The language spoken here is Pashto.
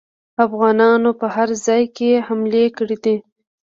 افغانانو په هر ځای کې حملې کړي دي.